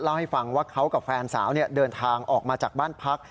เล่าให้ฟังว่าเขากับแฟนสาวเดินทางออกมาจากบ้านพัก